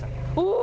お！